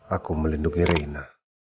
aku melindungi reina